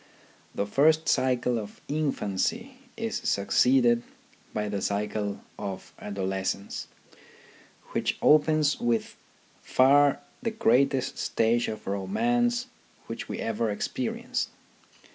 The first cycle of infancy is succeeded by the cycle of adolescence, which opens with by far the greatest stage of romance which we ever experience.